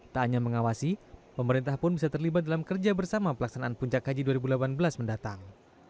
tak hanya mengawasi pemerintah pun bisa terlibat dalam kerja bersama pelaksanaan puncak haji dua ribu delapan belas mendatang